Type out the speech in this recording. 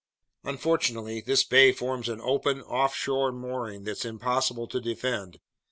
"Unfortunately this bay forms an open, offshore mooring that's impossible to defend.